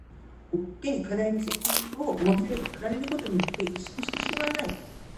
The Namahage repeat the lessons to the children before leaving the house.